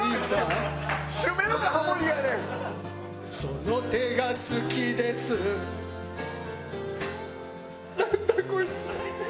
「その手が好きです」なんだ